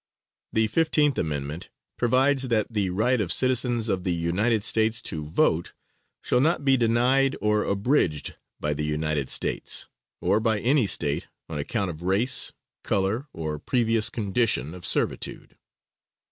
The 15th amendment provides that the right of citizens of the United States to vote shall not be denied or abridged by the United States, or by any State on account of race, color, or previous condition of servitude.